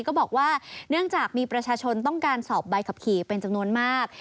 ก็บอกว่าเนื่องจากมีประชาชนต้องการสอบใบขับขี่เป็นจำนวนมาก